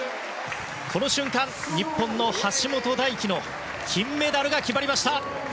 この瞬間、日本の橋本大輝の金メダルが決まりました。